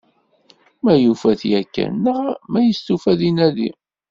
Ma yufa-t yakan neɣ ma yestufa ad t-inadi.